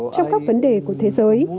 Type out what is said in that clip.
trong các vấn đề của thế giới